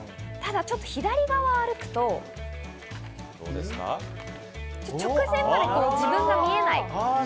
ただ、ちょっと左側を歩くと、直前まで自分が見えない。